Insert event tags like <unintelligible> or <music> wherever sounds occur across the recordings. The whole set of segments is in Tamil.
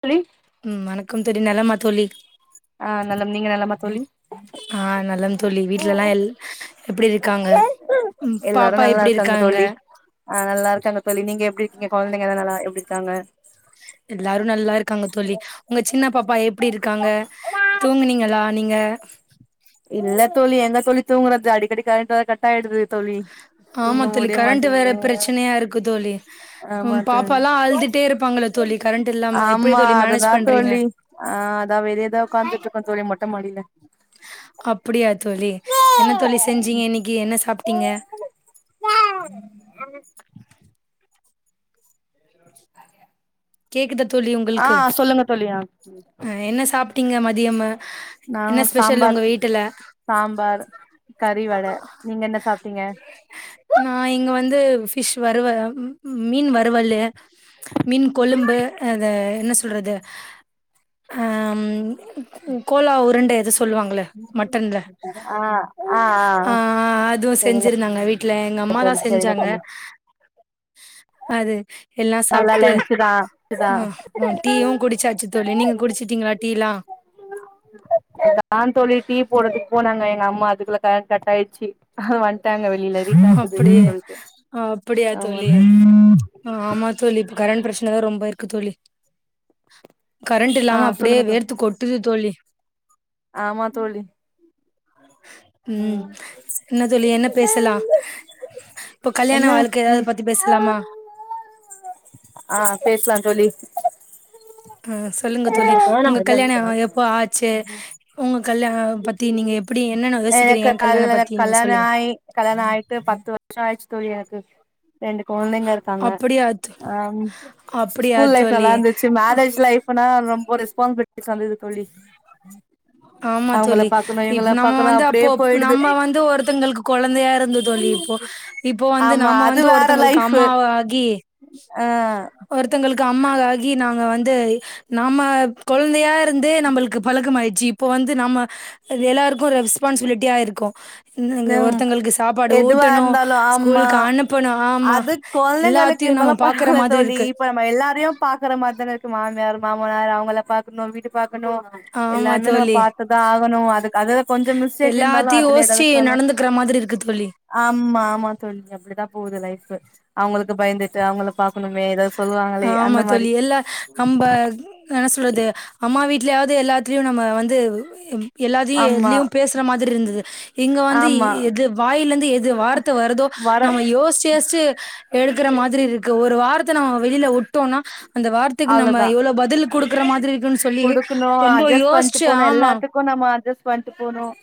தோழி உம் வணக்கம் தோழி நலமா தோழி ஆஹ் நலம் நீங்க நலமா தோழி ஆஹ் நலம் தோழி வீட்லல்லா எல் எப்படி இருக்காங்க பாப்பா எப்படி இருக்காங்க ஆஹ் நல்லா இருக்காங்க தோழி நீங்க எப்படி இருக்கீங்க குழந்தைங்களாம் நல்லா எப்படி இருக்காங்க எல்லாரும் நல்லா இருக்காங்க தோழி உங்க சின்ன பாப்பா எப்படி இருக்காங்க தூங்குனீங்களா நீங்க இல்ல தோழி எங்க தோழி தூங்குறது அடிக்கடி கரண்ட் வேற கட்டாயிடுது தோழி ஆமா தூங்க தோழி முடிய கரண்ட் வேற மாட்டேங்குது பிரச்சனையா இருக்கு தோழி உ ஆமா பாப்பா தோழி எல்லாம் ஆழுதிட்டே இருப்பாங்க ஆமா அதுதான் பண்றீங்க தோழி ஆஹ் அதா வெளிய தான் உக்காந்துட்டு இருக்கோ தோழி மொட்டை மாடி மாடியில அப்படியா தோழி என்ன தோழி செஞ்சீங்க இன்னைக்கு என்ன சாப்பிட்டீங்க ஆஹ் உ கேக்குதா தோழி ஆ உங்களுக்கு சொல்லுங்க தோழி ஆ அஹ என்ன சாப்பட்டீங்க மதியமா நாங்க என்ன ஸ்பெஷல் சாம்பார் உங்க வீட்டுல சாம்பார் கறிவடை நீங்க என்ன சாப்பிட்டீங்க நா இங்க வந்து பிஷ் வருவ மீன் வருவல்லு மீன் கொழும்பு அத என்ன சொல்றது அஹம் கோலா உருண்ட எது சொல்லுவாங்கள மட்டன்ல ஆ ஆ ஆ அஆஹ் அதுவும் சரிங்க செஞ்சிருந்தாங்க வீட்டுல எங்க தோழி அம்மாதான் சரிங்க செஞ்சாங்க தோழி அது எல்லாம் நல்லா சாப்பிட்டு லன்ச்சு தா தா ஆஹ் ஹ டீயும் குடிச்சாச்சு தோழி நீங்க குடிச்சிட்டீங்களா டீலாம் ஆ சொல்லி டீ போடுதுக்கு போனாங்க எங்க அம்மா அதுக்குள்ள கர் கட் ஆயிச்சு வந்துட்டாங்க அப்படியே இ ஆ, அப்படியா ஆமா சொல்லி இப்ப கரண்ட் பிரச்சனைதான் ரொம்ப இருக்கு சொல்லி கரண்ட் ஆ இல்லாம அப்படியே சொல்லுங்க தோ வேர்த்து கொட்டுது தோழி ஆமா தோழி உம் ம் என்ன சொல்லி என்ன பேசலாம் இப்போ கல்யாண என்ன வாழ்க்கை ஏதாவது ம் பத்தி பேசலாமா ஆஹ் பேசலாம் தோழி ஆஹ சொல்லுங்க தோழி உங்க கல்யாணம் எப்போ ஆச்சு உங்க கல்யாண பத்தி நீங்க எப்படி என்னன்ன யோசிக்கிறீங்க எனக்கு கல் கல்யாண எனக்கு பத்தி நீங்க சொல்லுங்க ஆ தோழி எனக்கு ரெண்டு குழந்தைங்க இருக்காங்க அப்டியா தோ ஆஹம் அப்டியா ஸ்கூல் லைப் நல்லா தோழி இருந்துச்சு ஆ, மேரேஜ் லைப்னா ரொம்ப ப்பன் பட்டட்டு வந்தது தழி ஆமா தோழி இப்ப நம்ம வந்து அப்போ அப்டியே நம்ம போயிடுது வந்து ஒருத்தங்களுக்கு குழந்தையா இருந்து தோழி இப்போ இப்போ வந்து ஆமா நாம்ம வந்து ஒருத்தங்களுக்கு அம்மாவகி ஆஹ் அம்மா ஆாகி நாங்க வந்து நம்ம குழந்தையா இருந்து நம்மளுக்கு பழக்கம்மயடுச்சு இப்போ வந்து நம்ம எல்லாருக்கும் ரெஸ்பான்சிபிலிட்டியா இருக்கும் இங்க ஹம் ஒருத்தங்களுக்கு சாப்பாடு எதுவா ஊட்டணும், இருந்தாலும் ஆமா ஸ்கூலுக்கு அனுப்பணும். ஆமா அது குழந்தைங்களுக்கு எல்லாத்தையும் நம்ம இருந்தாலும் பாக்குற பரவில்லை மாதிரி தோழி இருக்கு. இப்ப நம்ம எல்லாரையும் பாக்குற மாதிரிான இரு மாமியார் மாமனார் அவங்கள பாாரக்கணும் வீட்டு பாக்கணும் ஆமா எல்லாமே நம்ம தோழி பார்த்ததான் ணும் அதுக்கு அது கொஞ்சம் மிஸ்டேக் இருந்தாலும் எல்லாத்தையும் அதுல ஏதாவது யோசிச்சு சொல்லு நடந்துக்கிற மாதிரி இருக்கு தோழி. ஆமா ஆமா சொல்லுங்க அப்படிதான் போது லைஃப் அவங்களுக்கு பயந்துட்டு அவங்கள பாக்கணுமே ஏதாவ ஆமா தழி எல்ல நம்ம என்ன சொல்றது அம்மா வீட் இதுலயாவது எல்லாத்துலயும் நம்ம வந்து எல்லாத்தையும் ஆமா எதுலேயும் பேசுற மாதிரி இருந்துது இங்கே வந்து ஆமா எது வாயிலருந்து எது வார்த்தை வருரதோ வர நம்ம யோச்சு யோச்சு எடுக்கற மாதிரி இருக்கு ஒரு வார்த்தை நம்ம வெளியில விட்டோம்னா அந்த வார்த்தைக்கு நம்ம எவ்வளவு பதிலுக்கு குடுக்கணும் அட்ஜஸ்ட் பண்ணிட்டு யோசிச்சு போனும் ஆமா எல்லாத்துக்கும் நம்ம அட்ஜஸ்ட் பண்ணிட்டு போணும்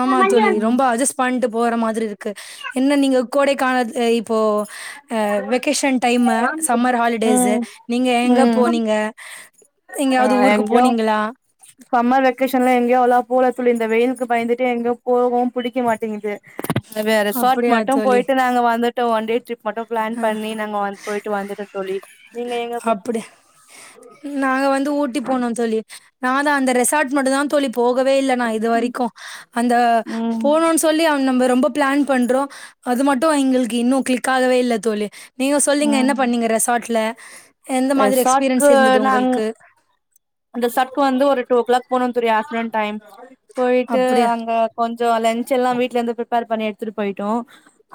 ஆமா தோழி ரொம்ப அட்ஜஸ்ட் பண்ணிட்டு போற மாதிரி இருக்கு என்ன நீங்க கோடை கான இப்போஹ வெக்கேஷன் டைமு சம்மர் ஹாலிடேஸ் ம் நீங்க எங்க ம் போனீங்க ஆ எங்கயாவது ஊருக்கு எங்கயு போனீங்களா சம்மர் வெகேஷன்லாம் எங்கயோ அவளா போற தோழி இந்த வெயிலுக்கு பயந்துட்டு எங்கயோ போகு பிடிக்க மாட்டேங்கு ரிசார்ட் அப்படியா மட்டும் தோழி? போயிட்டு நாங்க வந்துட்டோ ஒன் டே ட்ரிப் மட்டும் பிளான் பண்ணி நாங்க வந்து போயிட்டு வந்துோம் அப்படி நாங்க வந்து ஊட்டு போனும்ம் சொல்லி நான் அந்தெசார்ட் மும் தான் தோழிப்ப போகவே இல்லை நா இது வரைக்கும் அந்த ம் போனும்னு சொல்லி அவ நம்ம ரொம்ப பிளான் பண்றோம் அது மட்டும் எங்களுக்கு இன்னும் கிளிக் ஆகவே இல் தோழு நீங்க சொல்லீங்க என்ன ம் பண்ணீங்க ரெசார்ட்ட்ல எந்த மாதிரி எக்ஸ்பீரியன்ஸ் ரெசார்ட்க்கு இருந்தது நாங் உங்களுக்கு அந்த சர்க் வந்து ஒரு டூ ஓ கிள் போன்னனு தெரியும் ஆக்சிடெட் டைம் போயிட்டு அப்டியா அங்க கொஞ்சம் லஞ்ச் எல்லாம் வீட்டு்ல இருந்து பர் பண்ணி எடுத்துட்டு போயோம்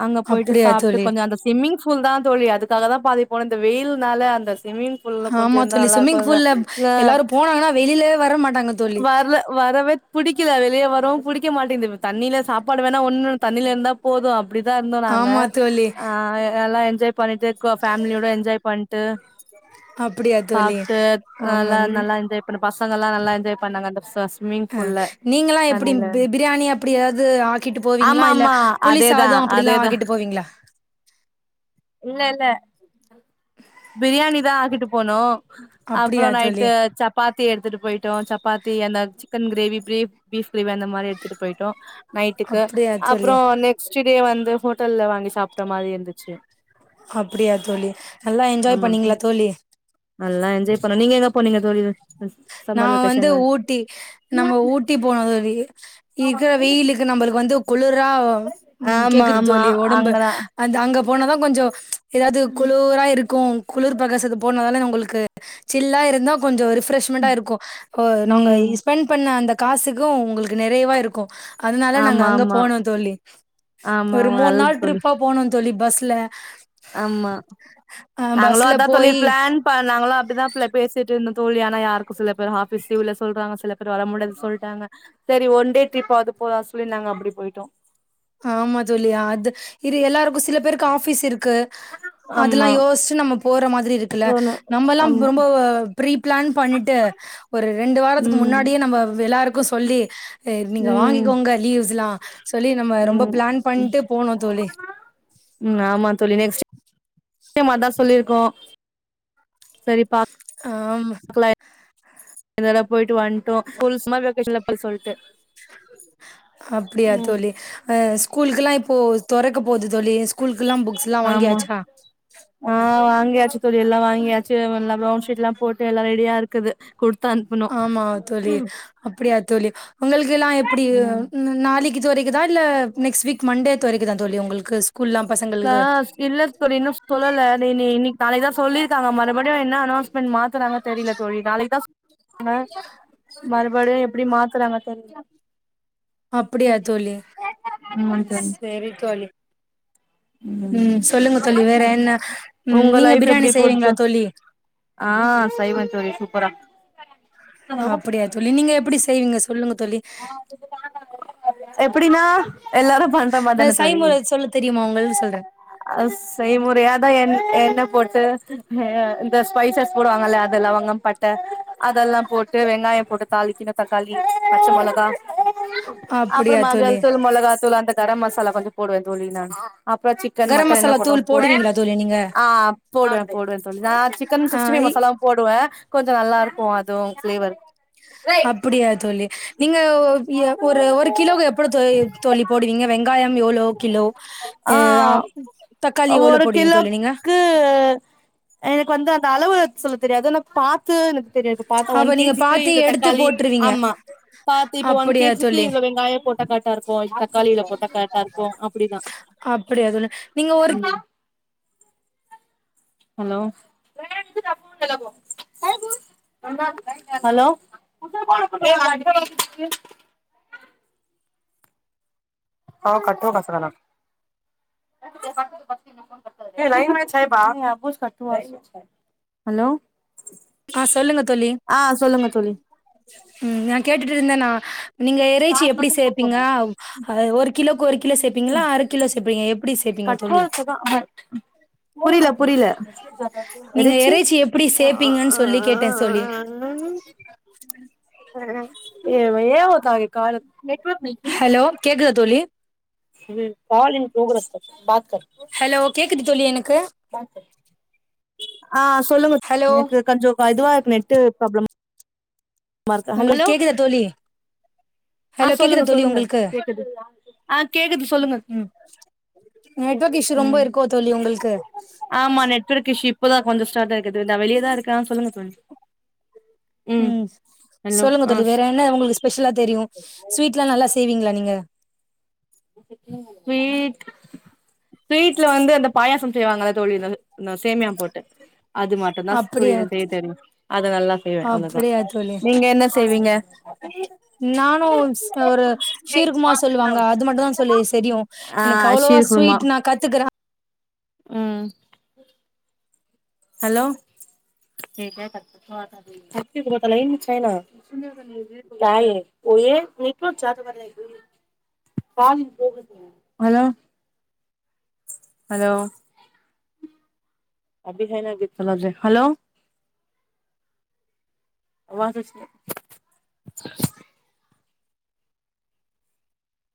அங்க போயிட்டு அப்டியா சாப்பிட்டு தோழி கொஞ்சம் அந்த சிம்மிங்ஸ் பூல் தான் தோழி அதுக்காக தான் பாதிப்போம் இந்த வெயில்னால அந்த ஸ்விம்மிங் புல்ல ஆமா கொஞ்சம் எந்த தோழி நல்லா ஸ்விம்மிங் இருக்கும்ங்க பூல்ல எல்லாரு போனாங்கன்னா வெளியில வர மாட்டாங்க தோழி வரல வரவே புிடிக்கல வெளியே வரவும் புடிக்க மாட்டேங்கு தண்ணியில சாப்பாடு வேணா ஒன்னும் தண்ணில இருந்தா போதும் அப்படிதான் இருந்தோம் நாங்க ஆமா தோழி ஆஹ எல்லாம் பண்ணிட்டு ஃபேமிலியோட என்ஜாய் பண்ட்டு அப்டியா தோழி சாப்பிட்டு ஆமா நல்லா நல்லா என்ஜாய் பண்ண பசங்கல்லா நல்லா என்ஜாய் பண்ணாங்க அந்த ஸ்விம்மிங் அஹ் பூல்ல நீங்களா எப்படி தண்ணில பிரியாணி அப்படியாவது ஆக்கிட்டு போவீங்களா ஆமா இல்ல ஆமா புளி அதேதா சாத அப்படிலா அதேதா ஆகிட்டு போவீங்ளா இல்ல இல்ல பிரியாணி தா ஆக்கிட்டு போனோ அப்புற அப்டியா நைட்டு தோழி சப்பாத்தி எடுத்துட்டு போயிட்டோ சப்பாத்தி அந்த சிக்கன் கிரேவி பிரீப் பீஃப் கிரேவி அந்த மாரி எடுத்துட்டு போயிட்டோ நைட்டுக்கு அப்டியா அப்புற தோழி நெக்ஸ்ட் டே வந்து ஹோட்டல்ல வாங்கி சாப்பிட்ட மாரி இருந்துச்சு அப்டியா தோழி நல்லா என்ஜாய் ஆமா பண்ணீங்களா தோழி எங்க போ நீங்க தோழி யுது நா வந்து ஊட்டி நம்ம ஊட்டி போனது இருக்கிற வெயிலுக்கு நம்மளுக்கு வந்து குளுர் ரா ஆமா கேக்குது ஆமா தோழி உடம்பு அங்கதா அந்த அங்க போனாதா கொஞ்சோ ம்ச்ச ஏதாவது குளூரா இருக்கு குளிர் பகசது போனதான உங்களுக்கு சில்லா இருந்தா கொஞ்சம் ரிஃ ரெண்டா இருக்கு நாங்க ம் ஸ்பெண்ட் பண்ண அந்த காசுக்கு உங்களுக்கு நெறைவா இருக்கு அதனால நாங்க ஆமா அங்க ஆமா போனோ தோழி ஆமா ஒரு ஆமா மூண் நல்லது நாள் தோழி ட்ரிப்பா போனோ தோழி பஸ்ல ஆமா ஆ நாங்களு பஸ்ல அதா தோழி போயி பிளான் பண் நாங்களு அப்டிதா ப்பல பேசிட்டு இருந்த தோழி ஆனா யாருக்கு சில பேர் ஆஃபிஸ் லீவு இல்ல சொல்றாங்க சில பேர் வர முடியாது சொல்ட்டாங்க செரி ஒன் டே ட்ரிப்பாவது போலா சொல்லி நாங்க அப்டி போயிட்டோ ஆமா தோழி அது இது எல்லாருக்கு சில பேருக்கு ஆஃபீஸ் இருக்கு அதெல்லா ஆமா யோஸ்ச்சு நம்ம போற மாதிரி இருக்குல்ல போனு நம்மல்லா ஆமா ரொம்ப ப்ரீ பிளான் பண்ணிட்டு ஒரு ரெண்டு வாரத்துக்கு ம் முன்னாடியே நம்ம எல்லாருக்கு சொல்லி ஆ ம் நீங்க ம் வாங்கிக்கோங்க லீவ்ஸ் எல்லா சொல்லி நம்ம ரொம்ப ம் பிளான் பண்ட்டு போனோ தோழி ஆமா தோழி நெக்ஸ்ட் ம் அதா சொல்லிருக்கோ சரிப்பா ஆமா இந்தடவ போயிட்டு வந்ட்டோ ஸ்கூல்ஸ் மாரி வெக்கேஷன்ல போய் சொல்ட்டு அப்டியா ம் தோழி ஆ ஸ்கூலுக்குல்லா இப்போ தொறக்கப்போவுது தோழி ஸ்கூலுக்குல்லா புக்ஸ்ல்லா ஆமா வாங்கியாச்சா ஆ வாங்கியாச்சு தோழி எல்லா வாங்கியாச்சு எல்லா பிரவுன் ஷீட்லாம் போட்டு எல்லா ரெடியா இருக்குது குடுத்து அனுப்பணு ஆமா தோழி அப்டியா தோழி உங்களுக்கெல்லா எப்டி ந நாளைக்கு தொறைக்குதா இல்ல நெக்ஸ்ட் வீக் மண்டே தொறக்குதா தோழி உங்களுக்கு ஸ்கூல்லா ஆ பசங்களுக்கு இல்ல தோழி இன்னு சொல்லல நீ நீ இன்னிக் நாளைக்குதா சொல்லிருக்காங்க மறுபடியு என்ன அனொன்ஸ்மெண்ட் மாத்துறாங்க தெரில தோழி நாளைக்குதா சொல் ஆ மறுபடியு எப்படி மாத்துறாங்க தெரில அப்டியா தோழி ஆமாங் ம் தோழி சேரி தோழி ம் சொல்லுங்க தோழி வேற என்ன ம் உங்க நீங்க லைஃப் பிரியாணி எப்டி போது தோ செய்வீங்களா தோழி ஆ செய்வ தோழி சூப்பரா அப்டியா தோழி நீங்க எப்படி செய்வீங்க சொல்லுங்க தோழி எப்பிடின்னா ந செய்முறை சொல்ல தெரியுமா உங்களுக் சொல்ற ஆ செய்முறையாதா என் எண்ணெ போட்டு இந்த ஸ்பைசஸ் போடுவாங்கல்ல அது லவங்கம் பட்ட அதெல்லா போட் போட்டு வெங்காயம் போட்டு தாளிக்கனு தக்காளி பச்ச மொளகா அப்புற அப்படியா தோழி மஞ்சள் தூள் மொளகாத்தூள் அந்த கரம் மசாலா கொஞ்ச போடுவேன் தோழி நானு அப்புற சிக்கன் கரம் மட்டன் என்ன மசாலா போடுறோம் தூள் போட்டு போடுவீங்களா தோழி நீங்க ஆ போடுவ போடுவ தோழி நா சிக்கன் சிக்ஸ்டி ஃபைவ் ஆ மசாலாவு போடுவ கொஞ்ச நல்லாருக்கும் அதுவு ஃபிளேவர் அப்படியா தோழி நீங்க ஏ ஒரு ஒரு கிலோக்கு எப்படி தோழி தோழி போடுவீங்க வெங்காயம் எவ்ளோ கிலோ ஆ ஆம் தக்காளி எவ்ளோ ஒரு போடுவீங்க தோழி நீங்க கிலோக்கு எனக்கு வந்து அந்த அளவு சொல்லத் தெரியாது ஆனா பாத்து எனக்கு தெரியாது பாத்தா ஒன் அப்ப நீங்க கேஜிக்கு பாத்து இவ்ளோ எடுத்து தக்காளி போட்ருவீங்க ஆமா பாத்து இப்ப ஒன் அப்படியா கேஜிக்கு தோழி இவ்ளோ வெங்காயம் போட்டா கரெட்டா இருக்கும் தக்காளி இவ்ளோ போட்டா கரெட்டா இருக் இருக்கும் அப்டிதா அப்படியா தோழி நீங்க ஒரு ஹலோ ஹலோ <inaudible> ஆ கட்டோ கசறலனா <unintelligible> ஹலோ ஆ சொல்லுங்க தோழி ஆ சொல்லுங்க தோழி ம் நா கேட்டுட்ருந்த நா நீங்க எறைச்சி எப்டி சேப்பீங்க அதாது ஒரு கிலோக்கு ஒரு கிலோ சேப்பீங்களா அர கிலோ சேப்பீங்களா எப்டி சேப் கட்ரோலுக்குதா <inaudible> புரில புரில நீங்க எறைச்சி இறைச்சி எப்டி சேப்பீங்கன்னு சொல்லி கேட்டே சொல்லி ஹலோ <unintelligible> கேக்குதா தோழி இது பாலின் போகுற <unintelligible> பாத்த ஹலோ கேக்குது தோழி எனக்கு <unintelligible> ஆ சொல்லுங்க ஹலோ எனக்கு கொஞ்ச இதுவாக்கு நெட்டு ப்ராப்ளம் ம உங்களுக்கு ஹலோ கேக்குதா தோழி ஆ ஹலோ கேக்குதா சொல்லுங்க தோழி சொல்லுங்க உங்களுக்கு கேக்குது ஆ கேக்குது சொல்லுங்க ம் நெட்வொர்க் இஷ்யூ ரொம்ப ம் இருக்கோ தோழி உங்களுக்கு ஆமா நெட்வொர்க் இஸ்யூப் இப்போதா கொஞ்ச ஸ்ட இருக்குது இந்த வெளியதா இருக்க சொல்லுங்க தோழி ம் ஹலோ சொல்லுங்க ஆ தோழி வேற என்ன உங்களுக்கு ஸ்பெஷலா தெரியு ஸ்வீட்ல்லா நல்ல ஆ செய்வீங்களா நீங்க ஸ்வீட் ஸ்வீட்ல வந்து அந்த பாயாசம் செய்வாங்கள தோழி இந்த சேமியா போட்டு அது மட்டுந்தா தோழி அப்படியா எனக்கு செய்ய தெரியு அத நல்லா செய்வே அவ்வளவுதா அப்படியா தோழி நீங்க என்ன செய்வீங்க நானு ஒரு ஒரு ஷீர் குமார் சொல்லுவாங்க அது மட்டுந்தா தோழி சரியு ஆ எனக்கு அவ்வளோவா ஷீர்குர்மா ஸ்வீட் நா கத்துக்குறே ம் ஹலோ <unintelligible> <unintelligible> ஹலோ ஹலோ <inaudible> <inaudible>